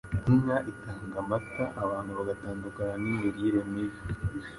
Inka itanga amata abantu bagatandukana n’imirire mibi.